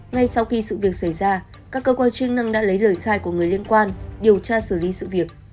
ngay sau khi sự việc xảy ra các cơ quan chức năng đã lấy lời khai của người liên quan điều tra xử lý sự việc